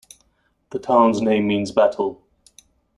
The town's name means "battle".